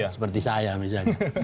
seperti saya misalnya